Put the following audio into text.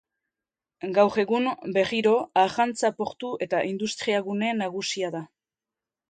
Gaur egun, berriro arrantza portu eta industriagune nagusia da.